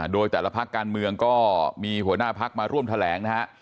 โดยแต่ละพักการเมืองก็มีหัวหน้าพักมาร่วมแถลงนะฮะ